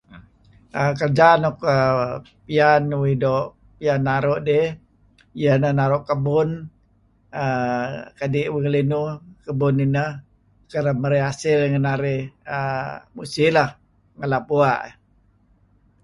Kerja uhm nuk uhm piyan uih doo' piyan uih naru' dih iyeh ineh naru' kebun uhm kadi' uih ngelinuh kebun ineh kereb marey hasil ngen narih uhm musih lah ngalap bua' iih.